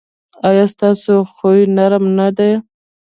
ایا ستاسو خوی نرم نه دی؟